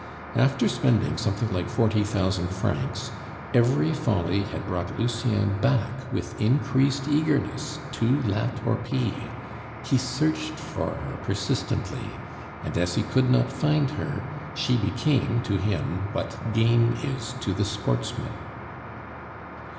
After spending something like forty thousand francs, every folly had brought Lucien back with increased eagerness to La Torpille; he searched for her persistently; and as he could not find her, she became to him what game is to the sportsman.